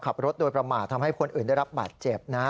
ขับรถโดยประมาททำให้คนอื่นได้รับบาดเจ็บนะ